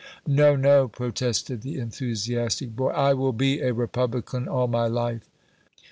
"No, no," protested the enthusiastic boy; "I will be a Republican all my life!"